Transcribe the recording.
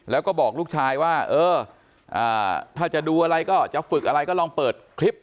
แล้วก็บอกลูกชายว่าเออถ้าจะดูอะไรก็จะฝึกอะไรก็ลองเปิดคลิป